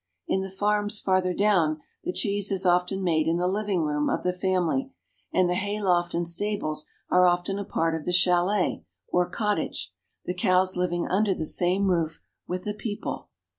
In the farms farther down the cheese is often made in the living room of the family, and the hayloft and stables are often a part of the chalet, or cottage, the cows living under the same roof with the people.